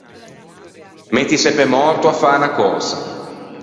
Mettise pe mòrto à fâ unna cösa.